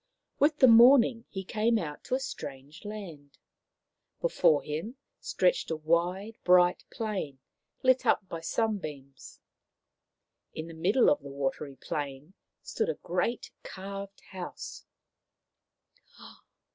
With the morning he came out to a strange land. Before him stretched a wide, bright plain, lit up by sunbeams. In the middle of the watery plain stood a great carved house.